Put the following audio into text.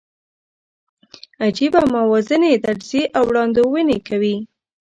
عجېبه موازنې، تجزیې او وړاندوینې کوي.